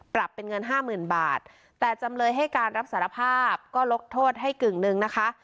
เป็นเงินห้าหมื่นบาทแต่จำเลยให้การรับสารภาพก็ลดโทษให้กึ่งหนึ่งนะคะ